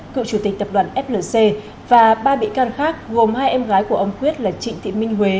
cựu chủ tịch tập đoàn flc và ba bị can khác gồm hai em gái của ông quyết là trịnh thị minh huế